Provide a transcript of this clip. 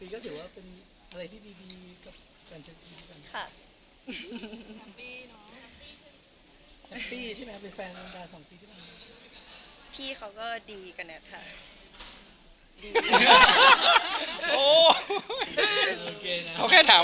คือที่ผ่านมาสองปีก็ถือว่าเป็นอะไรที่ดีกับการเชิญคุณพี่สัน